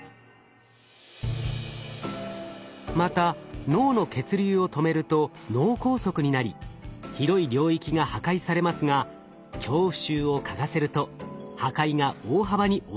また脳の血流を止めると脳梗塞になり広い領域が破壊されますが恐怖臭を嗅がせると破壊が大幅に抑えられたのです。